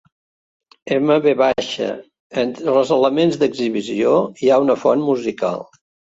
M V. Entre els elements d'exhibició hi ha una font musical.